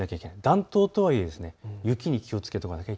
暖冬とはいえ雪に気をつけてもらいたい。